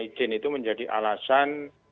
izin itu menjadi alasan